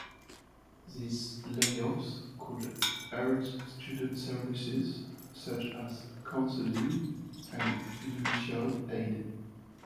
These layoffs could hurt student services such as counseling and financial aid.